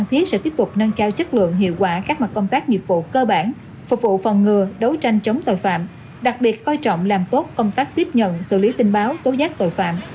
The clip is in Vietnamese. công an thành phố phan thiết sẽ tiếp tục nâng cao chất lượng hiệu quả các mặt công tác nghiệp vụ cơ bản phục vụ phòng ngừa đấu tranh chống tội phạm đặc biệt coi trọng làm tốt công tác tiếp nhận xử lý tin báo tố giác tội phạm